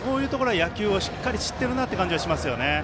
野球をしっかり知ってるなという感じがしますよね。